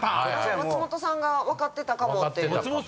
松本さんが分かってたかもっていう。